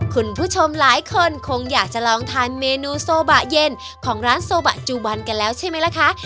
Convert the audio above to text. คุณผู้ชมหลายคนคงอยากจะลองทานเมนูโซบะเย็นของร้านโซบะจุบันกันแล้วใช่ไหมล่ะคะ